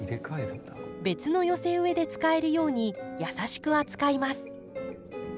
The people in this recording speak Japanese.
別の寄せ植えで使えるように優しく扱います。